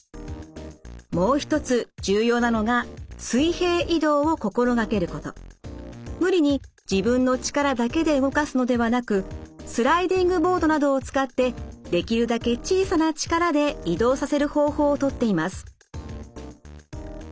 もう一つ重要なのが無理に自分の力だけで動かすのではなくスライディングボードなどを使ってできるだけ小さな力で移動させる方法をとっています。